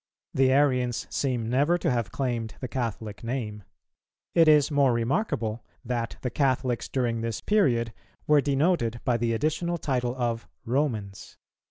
The Arians seem never to have claimed the Catholic name. It is more remarkable that the Catholics during this period were denoted by the additional title of "Romans."